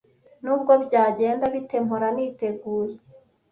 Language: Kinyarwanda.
Nubwo byagenda bite, mpora niteguye.